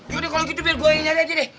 yaudah kalo gitu biar gue yang nyari aja deh